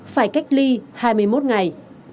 phải cách ly hai mươi một ngày